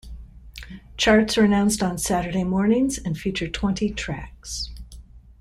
Charts are announced on Saturday mornings and feature twenty tracks.